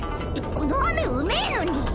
［このあめうめえのに］